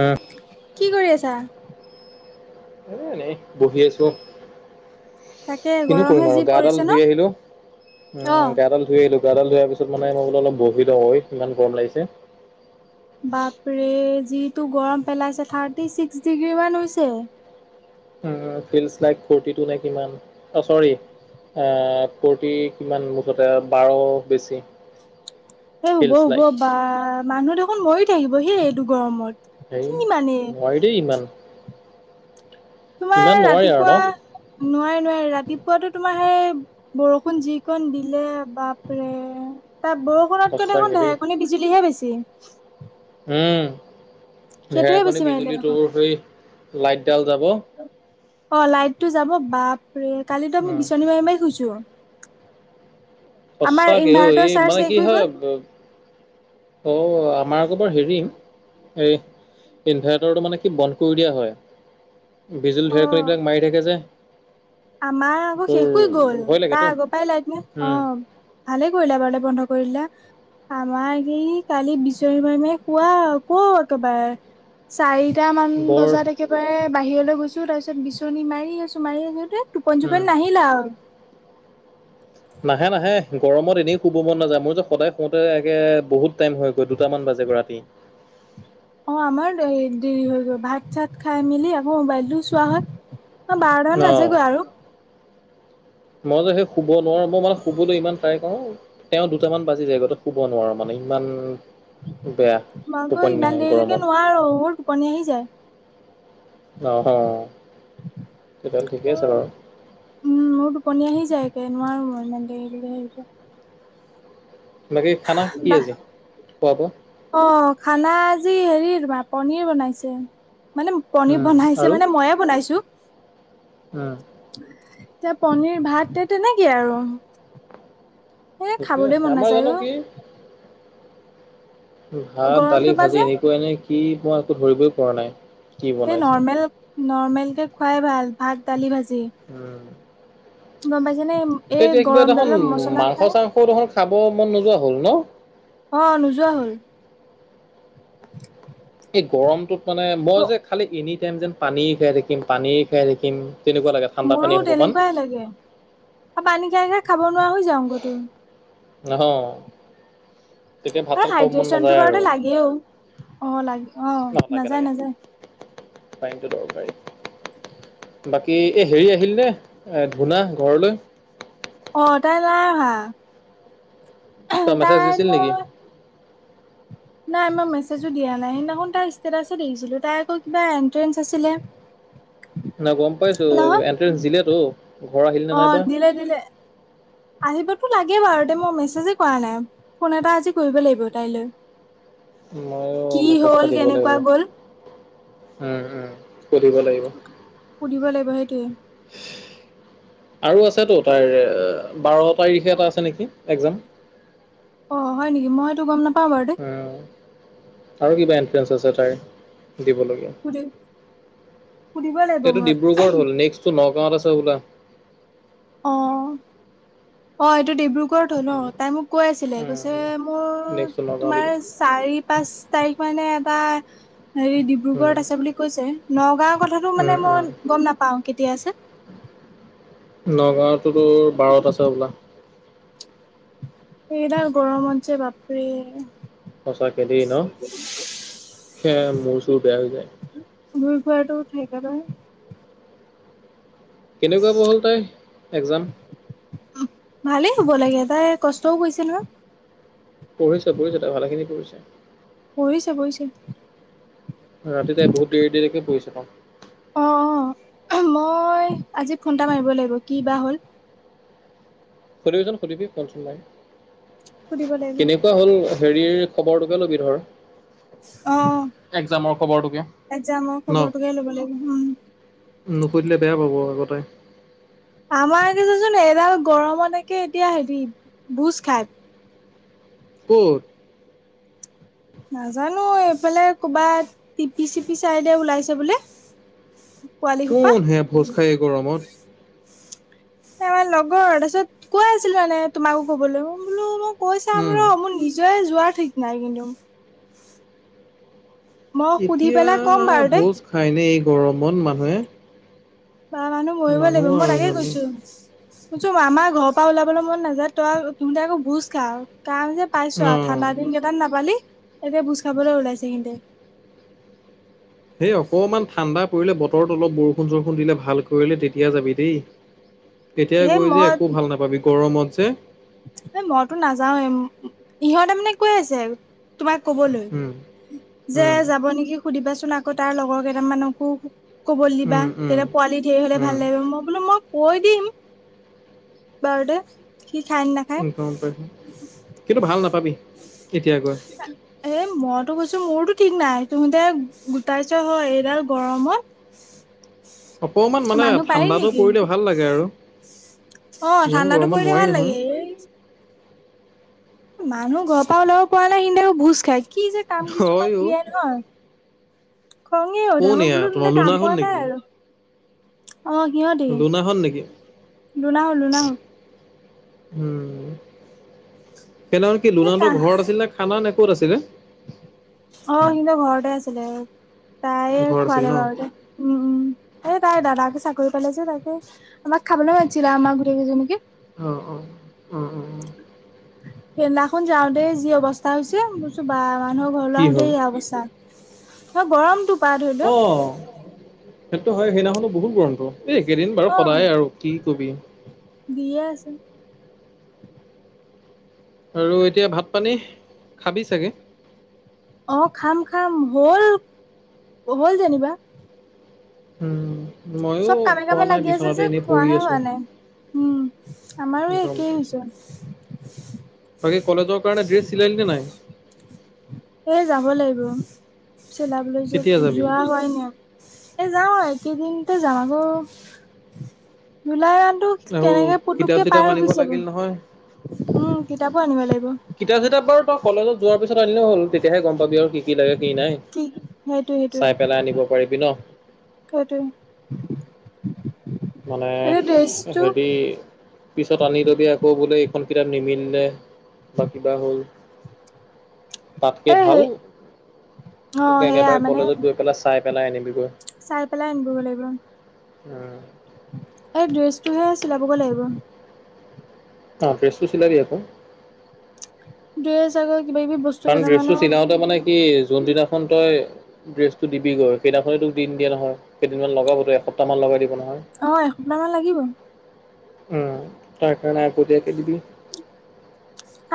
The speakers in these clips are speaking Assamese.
এ কি কৰি আছা? এনে বহি আছো তাকে কিনো গৰমহে কৰিম আৰু যি গাডাল পৰিছে ন? ধুই আহিলো। উম অ', গাডাল ধুই আহিলো গাডাল ধোৱাৰ পিছত মানে মই বুলো অলপ বহি লওঁ ইমান গৰম লাগিছে। বাপৰে যিটো গৰম পেলাইছে থাৰ্টিছিক্স ডিগ্ৰী মান হৈছে। উ ফিল লাইক ফ্তিতু নে কিমান অ চৰি এ ফৰতি্ কিমান মুঠতে বাৰ বেছি এই হব ফিল্ডছ হব লাইক বা মানুহ দেখোন মৰি থাকিব সেই এইটো গৰমত। হেই কি মানে মই দেই ইমান তোমাৰ ইমান নোৱাৰি আৰু ন ৰাতিপুৱা নোৱি নোৱাৰে ৰাতিপুৱাতো তোমাৰ সেই বৰষুণ যিকণ দিলে বাপৰে তাত বৰষুণত কিয় সঁচাকে দেখোন দেই ধেৰেকণি বিজুলীহে বেছি। উম সেইটোহে ঢেৰেকণী বেছি মাৰিলে বিজুলীটো দেখোন। হৈ লাইট ডাল যাব। অ লাইট টো যাব বাপৰে কালিতো আমি উম বিচনী মাৰি মাৰি শুইছো। আমাৰ সঁচাকেও ইনভাৰ্টাৰ এই চাৰ্জ মানে শেষ কি হৈ হয় গ'ল। অ আমাৰ আকৌ বৰ হেৰি এই ইনভাৰ্টাৰটো মানে কি বন্ধ কৰি দিয়া হয়। বিজুল অ ঢেৰেকণি এইবিলাক মাৰি থাকে যে আমাৰ আকৌ তোৰ শেষ হৈ গ'ল ভয় তাৰ লাগেতো আগৰ পৰাই লাইত উম নাই। ভালে কৰিলা এবাৰলৈ বন্ধ কৰিলা। আমাৰ এই কালি বিচনি মাৰি মাৰি শুৱা কও একেবাৰে। চাৰিটা মান বৰ বজাত একেবাৰে বাহিৰলৈ গৈছো তাৰপিছত বিচনী মাৰি আছো মাৰি আছোত। টোপন উম চুপনি নাহিল। নাহে নাহে গৰমত এনেই শুব মন নাযায় মোৰ যে সদায় শোওঁতে এে বহুত টাইম হৈ দুটামান বাজে গৈ ৰাতি। অ আমাৰ দেৰি হৈ গ'ল ভাত চাত খাই মেলি আকৌ মোবাইলটো চোৱা হয়। অ বাৰটামান অ বাজেগৈ আৰু মই যে সেই শুব নোৱাৰো মই মানে শুবলৈ ইমান ট্ৰাই কৰো তেওঁ দুটামান বাজি যায় [unintelligible] শুব নোৱাৰো মানে। ইমান বেয়া মই আকৌ টোপনি নাহে ইমান দেৰিলৈকে গৰমত নোৱাৰো মোৰ টোপনি আহি যায়। আহ। উম মোৰ টোপনী আহি যায়। নোৱাৰো মই ইমান দেৰি [unintelligible] বাকী খানা কি বা আজি খোৱা বোৱা? অ খানা আজি হেৰি তমা পনিৰ বনাইছে। মানে পনীৰ উম বনাইছে আৰু মানে মইয়ে বনাইছো। উম এ, পনিৰ ভাত এ, তেনেকেই আৰু। এ, ঠিকে খাবলৈ আছে মন আমাৰ নাযায় জানো অ'। কি ভাত, দালি, গৰমটো পা ভাজি যে এনেকুৱা এনে কি মই একো ধৰিবই পৰা নাই। কি এই বনাইছে? নৰ্মেল নৰ্মেলকে খুৱাই ভাল। ভাত, দালি, ভাজি উম। গম পাই তই কিয় কিবা দেখোন মাংস খাই চাংস দেখোন খাব মন নোযোৱা হ'ল ন'? অ' নোযোৱা হ'ল। [inaudible] এই গৰমটোত মানে মই যে খালি এনি টাইম যেন পানীয়ে খাই থাকিম পানীয়ে খাই থাকিম। তেনেকুৱা লাগে ঠাণ্ডা পানী মোৰো অকমান। তেনেকুৱাই লাগে। আৰু পানী খাই খাই খাব নোৱাৰা হৈ যাওঁগে তোৰ। অ'। তেতিয়া আৰু ভাত-চাত খাব মন হাইড্ৰচনটো নাযায় আৰু। বাৰুতে লাগেও। অ' লাগে অ' নাযায় নাযায়। তাইমটো দেখ ভাই। বাকী এই হেৰি আহিল নে ধূনা ঘৰলৈ? অ' তাই নাই অহা। তই মেছেজ তাই দিছিল নেকি? মই নাই মই মেছেজো দিয়া নাই, সেইদিনাখন তাৰ ষ্টেটাছে দেখিছিলোঁ তাই আকৌ কিবা এণ্ট্ৰেঞ্চ আছিলে। নাই গম পাইছো। নহয় এণ্ট্ৰেঞ্চ দিলেতো? ঘৰ আহিল নে অ' নাইবা? দিলে দিলে। আহিবটো লাগে বাৰু দে, মই মেছেজে কৰা নাই, ফোন এটা আজি কৰিব লাগিব তাইলৈ। ময়ো কি মেছেজ হ'ল এটা দিব লাগিব। কেনেকুৱা গ'ল উম, উম। সুধিব লাগিব। সুধিব লাগিব সেইটোৱেই। আৰু আছেতো তাইৰ। বাৰ তাৰিখে এটা আছে নেকি এক্সাম। অ' হয় নেকি মই হেইটো গম নাপাওঁ। বাৰু দেই উ, আৰু কিবা ইনট্ৰঞ্চ আছে তাইৰ। দিব লাগে। সুধি সুধিব লাগিব হেইটো মই ডিব্ৰুগড়ত হ'ল, নেক্সটো নগাঁৱত আছে। তই ওলা। অ', অ' এইটো ডিব্ৰু গৰত হ'ল উম, ন'? তাই মোক কৈ আছিলে কৈছে উম, মোৰ নেক্সটটো নগাঁও তোমাৰ দিব। চাৰি পাঁচ তাৰিখ মানে এটা হেৰি উম, ডিব্ৰুগড়ত আছে বুলি কৈছে, নগাঁওৰ কথাটো উম, মানে উম, মই গ'ম নাপাও। কেতিয়া আছে? নগাঁওৰটো তোৰ বাৰত আছে বোলা। এইডাল গৰমত যে বাপৰে। সঁচাকে দে ন'? সেয়া মূৰ চোৰ বেয়া হৈ যায়। ঘূই ফুৰাটো সেইকাৰণে। কেনেকুৱা বা হ'ল তাইৰ এক্সাম। ভালেই হ'ব লাগে, তাই কষ্টও কৰিছে নহয়। পঢ়িছে পঢ়িছে তাই ভালেখিনি পঢ়িছে। পঢ়িছে পঢ়িছে। ৰাতি তাই বহুত দেৰি দেৰিকে পঢ়িছে পাওঁ। অ', অ' মই আজি ফোনটা মাৰিব লাগিব কি বা হ'ল। সুধিবিচুন সুধিবি ফুঞ্চুন নাই, সুধিব লাগিব অ কেনেকুৱা হ'ল। হেৰিৰ খবৰটোকে ল'বি ধৰ। অ' একজামৰ খবৰটোকে তাইছা মই ন খবৰটোকে ল'ব লাগিব হুম। নুসুধিলে বেয়া পাব আকৌ তাই। আমাৰ কেইচোন এডাল গৰমত একে এতিয়া হেৰি ভোজ খাই। ক'ত? নাজানো আৰু এইফালে ক'বাত টিপি চিপি চাইডে ওলাইছে বোলে। পোৱালিসোপা? কোন হে ভোজ খাই এই গৰমত আমাৰ লগৰ তাৰপিছত কোৱা আছিলো, মানে তোমাকো কবলৈ মই বোলো! কৈ চাম উম ৰ মোৰ নিজৰে যোৱাৰ ঠিক নাই, কিন্তু। মই সুধি এতিয়া পেলাই ক'ম বাৰু দেই ভোজ খাইনে এই গৰমত মানুহে? বা মানুহ মৰিব লাগিব, মানুহ মই আৰু তাকে সিহঁতে কৈছোঁ। কৈছোঁ আমাৰ ঘৰৰ পৰা ওলাবলৈ মন নাযায়, তই তুহঁতে আকৌ ভোজ খায়। কাম যে ন পাইছো আৰু ঠাণ্ডা দিন কেইটান নাপালি। এতিয়া ভোজ খাবলৈ ওলাইছে সিহঁতে। হেই অকমান ঠাণ্ডা পৰিলে, বতৰত অলপ বৰষুণ চৰষুণ দিলে ভাল কৰিলে তেতিয়া যাবি দেই। এতিয়াই সেই গৈ যে মই একো ভাল নাপাবি, গৰমত যে। এ, মইতো নাযাওৱেই ইহঁতে মানে কৈ আছে। তোমাক কবলৈ, উম যে উম যাব নেকি সুধিবাচোন আকৌ তাৰ লগৰ কেই মানকো ক'বলৈ দিবা, উম উম তেতিয়া পোৱালি ধেৰ হলে ভাল লাগিব, উম মই বোলো ম কৈ দিম বাৰডে খাই নে নাখায়। গম পাইছো কিন্তু ভাল নাপাবি এতিয়া গৈ এ, মইতো কৈছো মোৰতো ঠিক নাই, তহঁতে গোটাইছ হয় এইডাল গৰমত। অকণমান মানে মানুহ পাৰি ঠাণ্ডাতটো নেকি পৰিলে ভাল লাগে আৰু। অ', ইমান ঠাণ্ডাতটো গৰমত পৰিলে নোৱাৰি ভাল নহয় হয় লাগে, এ মানুহ ঘৰৰ পৰা ওলাব পৰা নাই, সিহঁতে আকৌ ভোজ খাই। কি যে কাম কিছুমান অ উলিয়াই নহয়। খঙে উঠে, কোন মই এয়া বোলো তহঁতে তোমাৰ কাম পোৱা লুনাখন নাই আৰু। অ সিহঁতি লুনা হত নেকি? লুনা হল লুনা হল উম, সেইদিনা কি এই কা লুনাহঁতৰ ঘৰত আছিল নে খানা নে ক'ত আছিলে? অ', সিহঁতৰ ঘৰতে আছিলে। তাই ঘৰত আছিল খোৱালে ন বাৰু দে, উম, উম এ, তাইৰ দাদাকে চাকৰি পালে যে তাই আমাক খাবলৈ মাতছিলে, আমাৰ গোটেই কেইজনীকে। অ অ অ অ অ। সেইদিনাখন যাওঁতেই যি অৱস্থা হৈছে, মই কৈছোঁ বা মানুহৰ ঘৰলৈ কি আহোতে হ'ল এইয়া অৱস্থা। অ', গৰমটো। পা ধৰি লও অ', সেইটো হয়, সেইদিনাখনটো বহুত গৰমটো এই কেইদিন বাৰু অ সদায় আৰু কি কবি। দিয়ে আছে। আৰু এতিয়া ভাত, পানী খাবি চাগে? অ', খাম, খাম, হ'ল, হ'ল যেনিবা। উম, মইও চব কামে খোৱা কামে নাই, লাগি আছে বিচনাতে যে এনেই পৰি খোৱাহে হোৱা আছোঁ। নাই উম, আমাৰো একেই হৈছে। বাকী কলেজৰ কাৰণে ড্ৰেছ চিলালি নে নাই? এই যাব লাগিব। চিলাবলৈ কেতিয়া যাবি য-যোৱা হোৱাই নাই, এ যাও কেইদিনতে যাম বও জুলাই আৰু কেনেকে কিতাপ পুতুককে পাৰ চিতাপ হৈ আনিব গুচি যাব। লাগিল নহয়। উম, কিতাপো আনিব লাগিব। কিতাপ চিতাপ বাৰু তই কলেজত যোৱাৰ পিছত আনিলেই হ'ল, তেতিয়াহে গম পাবি আৰু। কি, কি লাগে কি নাই কি চাই পেলাই আনিব পাৰিবি ন? সেইটোৱেই। মানে হেৰি পিছত আনি লবি আকৌ বোলে এখন কিতাপ নিমিলিলে বা কিবা হ'ল। তাতকে এ ভাল সেই অ সেয়া একেবাৰে মানে কলেজত গৈ পেলাই চাই পেলাই আনিবিগৈ। চাই পেলাই আনিবগৈ লাগিব। উম। এই ড্ৰেছটোহে চিলাবগৈ লাগিব। অ', ড্ৰেছটো চিলাবি আকৌ। দুয়োচাগৈ কাৰণ ড্ৰেছটো চিলাওঁতে মানে কি? যোনদিনাখন তই ড্ৰেছটো দিবিগৈ, সেইদিনাখনেই তোক দি নিদিয়ে নহয়, কেইদিনমান লগাবতো, এসপ্তাহমান লগাই দিব ন'। অ', এসপ্তাহ মান লাগিব। উম, তাৰকাৰণে আগতীয়াকৈ দিবি।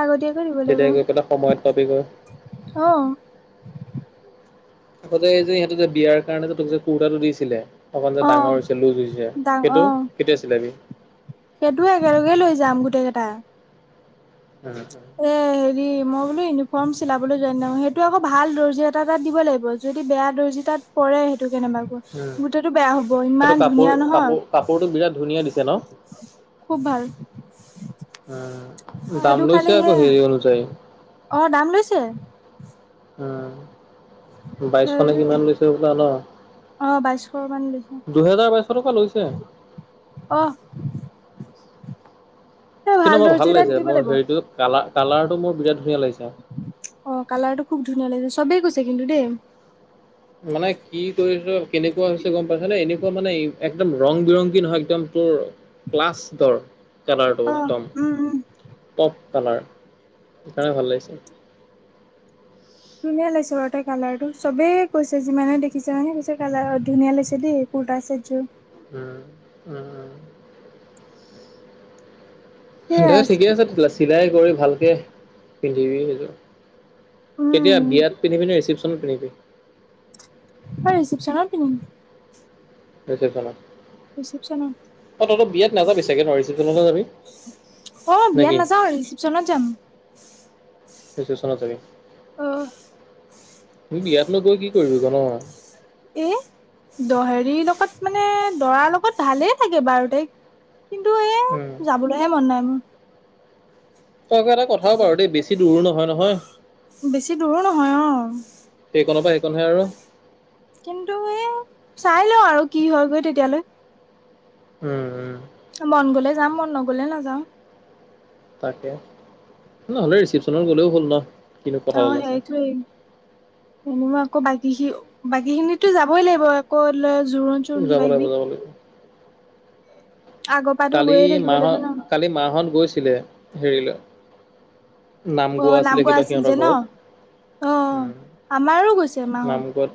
আগতীয়াকৈ দিব লাগিব। তেতিয়া গৈ পেলাই সময়ত পাবিগৈ। অ আকৌ এই যে, সিহঁতে যে বিয়াৰ কাৰণে যে তোক যে কুৰ্তাটো দিছিলে অকণ যে অ ডাঙৰ হৈছে, লুজ হৈছে, সেইটো, কেতিয়া চিলাবি? সেইটোও একেলগেই লৈ যাম, গোটেই কেইটাই। উম এ হেৰি, মই বোলো ইউনিফৰ্ম চিলাবলৈ যোৱা দিনাখন, সেইটো আকৌ ভাল দৰ্জি এটা তাত দিব লাগিব, যদি বেয়া দৰ্জি তাত পৰে কেনেবাকৈ, গোটেইটো বেয়া হ'ব, সেইটো ইমান কাপোৰ ধুনীয়া নহয়। কাপোৰ কাপোৰটো বিৰাট ধুনীয়া দিছে ন খুব ভাল। দাম সেইটো লৈছে খালি সে আকৌ, হেৰি অনুযায়ী, অ দাম লৈছে উম। বাইছশনে হেৰি কিমান লৈছে হ'বলা ন। অ বাইশ মান লৈছে দুহেজাৰ বাইচশ টকা লৈছে। অহ। কিন্তু মই ভাল এটাত লাগিছে, দিব মোৰ লাগিব হেৰিটো, কাল কালাৰটো মোৰ বিৰাট ধুনীয়া লাগিছে। অ', কালাৰটো খুব ধুনীয়া লাগিছে, চবেই কৈছে কিন্তু দেই। মানে কি কৰিছ? কেনেকুৱা হৈছে? গম পাইছনে? এনে তোমাৰ মানে একদম ৰং বিৰংগী নহয়, একদম তোৰ প্লাছ দৰ, কালাৰটো অ একদম। উম উম পপ কালাৰ, সেইকাৰণে ভাল লাগিছে। ধুনীয়া লাগছে বাৰু তাই কালাৰটো, চবেই কৈছে, যিমানে দেখিছে মানে কৈছে, কালাৰ ধুনীয়া লাগিছে দেই। কুৰ্তা চেট যোৰ। উম উম। সেয়া দে ঠিকেই আছে তেতিয়াহলে, চিলাই কৰি ভালকে পিন্ধিবি সেইযোৰ। কেতিয়া উম বিয়াত পিন্ধিবি নে ৰিচিপশ্যনত পিন্ধিবি? হয়, ৰিচিপশ্যনত পিন্ধিম। ৰিচিপশ্যনত। ৰিচিপশ্যনত অ', তইতো বিয়াত নাযাবি চাগে ন' ৰিচিপশ্যনতহে যাবি? অ', বিয়াত নেকি নাযাওঁ, ৰিচিপশ্যনত যাম। ৰিচিপশ্যচনত যাবি। অ তুমি বিয়াতনো গৈ কি কৰিবা। [unintelligible] ৰি লগত মানে, দৰাৰ লগত ভালেই থাকে বাৰু তাইক। কিন্তু এই, উম যাবলৈহে মন নাই মোৰ। তই আকৌ এটা কথাও বাৰু দেই, বেছি দূৰো নহয় নহয়। বেছি দূৰো নহয় অ'। চনহে আৰু। কিন্তু এই, চাই লওঁ আৰু কি হয়গৈ তেতিয়ালৈ। উম উম। মন গলে যাম, মন ন'গলে নাযাওঁ। তাকেই, নহ'লে ৰিচিপশ্যনত গ'লেও হ'ল ন'। কিনো কথা অ', ওলাইছে সেইটোৱেই, এনেই আকৌ বাকী খি বাকীখিনিতো যাবই লাগিব, আকৌ ল জোৰোণ চোৰোণ যাব কিবা লাগিব কিবি। যাব লাগিব আগৰ পৰাতো কালি গৈয়ে থাকিব মা লাগিব হত, ন কালি মা হত গৈছিলে হেৰিলৈ। নাম অ গোৱা আছিলে কিবা আছিল যে সিহঁতৰ ন অ ঘৰত আমাৰো গৈছে মাহত নাম গত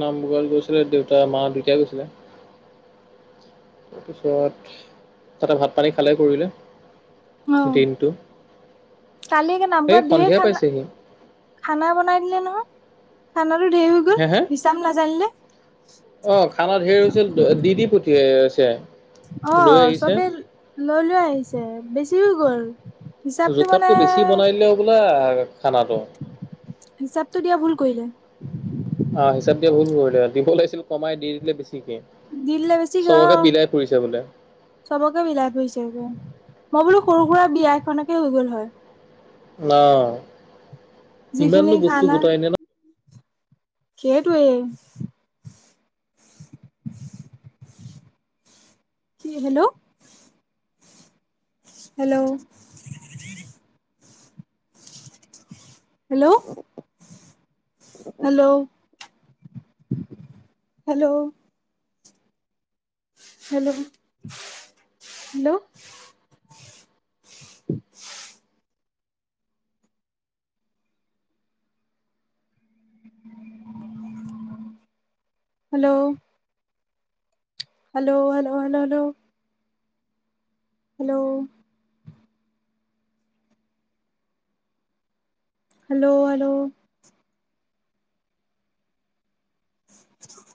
নাম গৰত গৈছিলে দেউতা মা দুটাই গৈছিলে তাৰপিছত, তাতে ভাত পানী খালে কৰিলে অ দিনটো কালি কি এই নামঘৰত ধেৰ সন্ধিয়া খানা, পাইছেহি খানা বনাই দিলে ন হে, হে, হিচাপ নাজানিলে অ', খানা ধেৰ হৈছিল দি দি প [unintelligible] অ', চবে লৈ লৈ আহিছে, বেছি হৈ গ'ল। হিচাপটো মানে জোখতকৈ বেছি বনাই দিলে হ'বলা খানাটো হিচাপটো দিয়া ভুল কৰিলে অ', হিচাপ দিয়া ভুল কৰিলে, দিব লাগিছিল কমাই দি দিলে বেছি দিদিলে বেছিকে অ' ফুৰিছে বোলে। চবকে বিলাই ফুৰিছে হ'বলা, মই বোলো সৰু সুৰা বিয়া এখনকে হৈ গ'ল হয়। অ', ইমাননো বস্তু গোটাই নে ন সেইটোৱেই hello hello hello, hello hello hello, hello [inaudible] hello hello, hello, hello, hello hello hello, hello [inaudible]